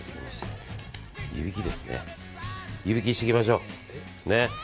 湯引きしていきましょう。